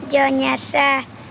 cho nhà xa